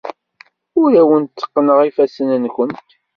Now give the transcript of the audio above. Ur awent-tteqqneɣ ifassen-nwent.